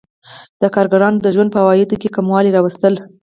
د کارګرانو د ژوند په عوایدو کې کموالی راوستل